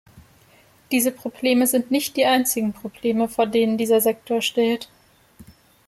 Diese Probleme sind nicht die einzigen Probleme, vor denen dieser Sektor steht.